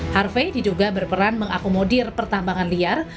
harvey diduga berperan mengakomodir pertambangan liar